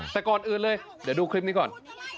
แต่ก่อนอื่นเลยเดี๋ยวดูคลิปนี้ก่อน